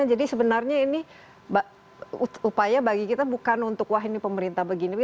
jadi sebenarnya ini upaya bagi kita bukan untuk wah ini pemerintah begini